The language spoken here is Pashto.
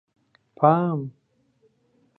_پام!!!